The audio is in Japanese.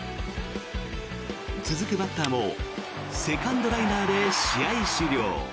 続くバッターもセカンドライナーで試合終了。